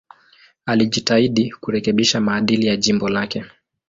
Alijitahidi kurekebisha maadili ya jimbo lake.